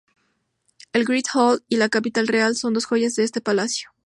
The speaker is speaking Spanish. La "Great Hall" y la "Capilla Real" son dos joyas de este palacio.